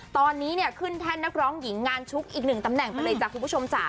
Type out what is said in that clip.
ตอนนี้เนี่ยขึ้นแท่นนักร้องหญิงงานชุกอีกหนึ่งตำแหน่งไปเลยจ้ะคุณผู้ชมจ๋า